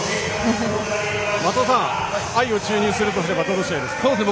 松尾さん愛を注入するとすればどの試合ですか。